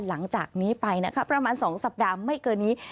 หลังจากนี้ไปนะคะประมาณ๒สัปดาห์ไม่เกินนี้